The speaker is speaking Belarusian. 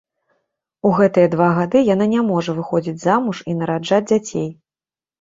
У гэтыя два гады яна не можа выходзіць замуж і нараджаць дзяцей.